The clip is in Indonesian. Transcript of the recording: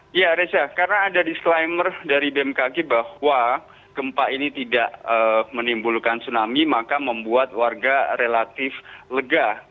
iya reza karena ada disclaimer dari bmkg bahwa gempa ini tidak menimbulkan tsunami maka membuat warga relatif lega